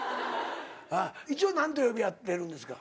一応何と呼び合ってるんですか？